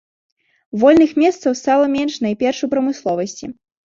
Вольных месцаў стала менш найперш у прамысловасці.